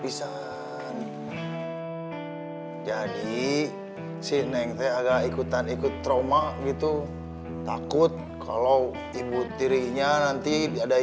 pisang jadi sitting teh agak ikutan ikut inggito takut kalau ibu tirinya nanti dia karena wow ibu